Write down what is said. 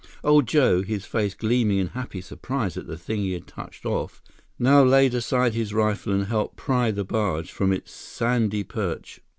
Old Joe, his face gleaming in happy surprise at the thing he had touched off, now laid aside his rifle and helped pry the barge from its sandy perch.